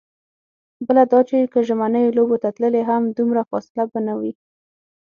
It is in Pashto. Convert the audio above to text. بله دا چې که ژمنیو لوبو ته تللې هم، دومره فاصله به نه وي.